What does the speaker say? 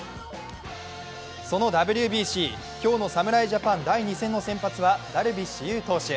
そのＷＢＣ、今日の侍ジャパン第２戦の先発はダルビッシュ有選手